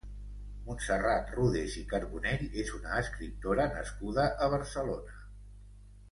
Montserrat Rodés i Carbonell és una escriptora nascuda a Barcelona.